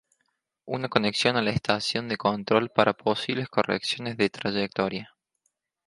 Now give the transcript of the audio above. Una conexión a la estación de control para posibles correcciones de trayectoria.